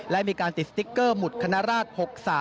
และมีการติดสติ๊กเกอร์หุดคณราช๖๓